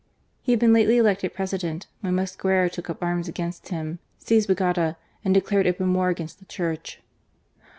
He had been lately elected President, when Mosquera took up arms against him, seized Bogota, and declared open war against the Church.